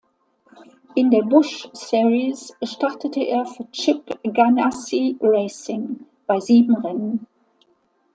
In der Busch Series startete er für Chip Ganassi Racing bei sieben Rennen.